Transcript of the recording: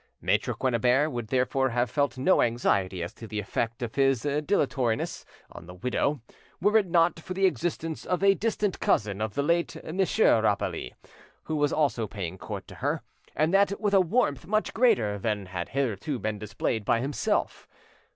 Maitre Quennebert would therefore have felt no anxiety as to the effect of his dilatoriness on the widow, were it not for the existence of a distant cousin of the late Monsieur Rapally, who was also paying court to her, and that with a warmth much greater than had hitherto been displayed by himself.